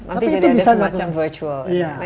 nanti jadi ada semacam virtual